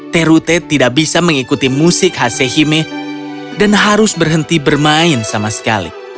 terute tidak bisa mengikuti musik hasehime dan harus berhenti bermain sama sekali